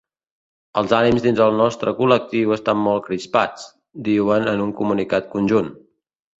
“Els ànims dins el nostre col·lectiu estan molt crispats”, diuen en un comunicat conjunt.